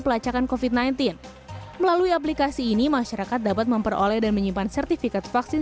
pelacakan kofit sembilan belas melalui aplikasi ini masyarakat dapat memperoleh dan menyimpan sertifikat vaksin